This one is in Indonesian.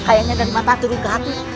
kayaknya dari mata turun ke hati